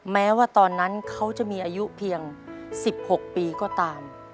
แม้ว่าตอนนั้นเขาจะมีอายุเพียง๑๖ปีก็ตาม